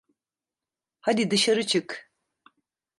Hadi dışarı çık.